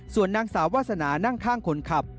ส่วนนางสาววาสนานั่งข้างคนขับ